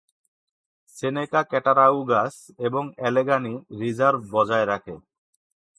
সেনেকা Cattaraugus এবং Allegany reserve বজায় রাখে।